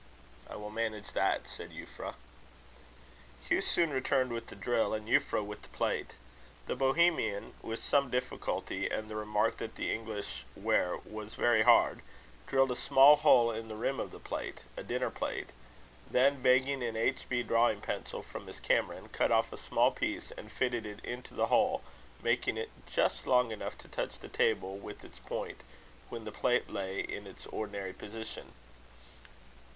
"I will manage that," said Euphra. Hugh soon returned with the drill, and Euphra with the plate. The Bohemian, with some difficulty, and the remark that the English ware was very hard, drilled a small hole in the rim of the plate a dinner plate; then begging an H B drawing pencil from Miss Cameron, cut off a small piece, and fitted it into the hole, making it just long enough to touch the table with its point when the plate lay in its ordinary position.